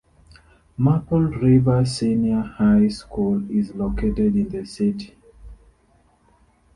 Maple River Senior High School is located in the city.